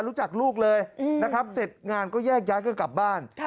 รู้จักลูกเลยนะครับเสร็จงานก็แยกย้ายกันกลับบ้าน